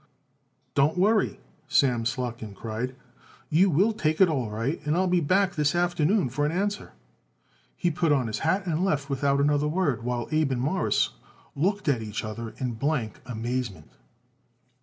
"Don't worry," Sam Slotkin cried, "you will take it all right and I'll be back this afternoon for an answer." He put on his hat and left without another word, while Abe and Morris looked at each other in blank amazement.